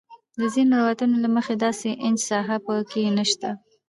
د ځینو روایتونو له مخې داسې انچ ساحه په کې نه شته.